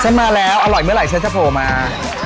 ฉันมาแล้วอร่อยเมื่อไหร่ฉันจะพอมา